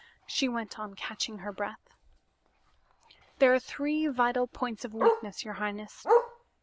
she went on, catching her breath. "There are three vital points of weakness, your highness.